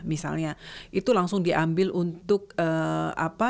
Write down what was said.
misalnya itu langsung diambil untuk apa